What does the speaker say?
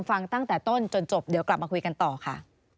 ตั้งแต่ต้นจนจบเดี๋ยวกลับมาคุยกันต่อค่ะ